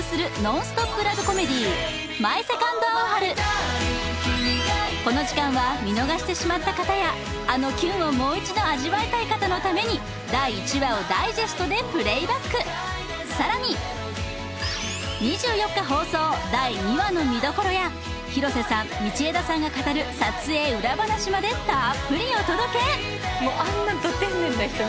個性豊かな仲間達とこの時間は見逃してしまった方やあのキュンをもう一度味わいたい方のために第１話をダイジェストでプレイバックさらに２４日放送第２話の見どころや広瀬さん道枝さんが語る撮影裏話までたっぷりお届け！